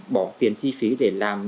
bỏ tiền chi phí để làm